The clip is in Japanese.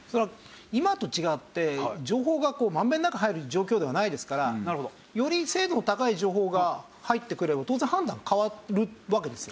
今と違って情報が満遍なく入る状況ではないですからより精度の高い情報が入ってくれば当然判断変わるわけですよ。